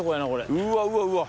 うわうわうわっ。